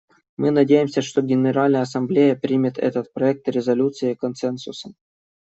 Мы надеемся, что Генеральная Ассамблея примет этот проект резолюции консенсусом.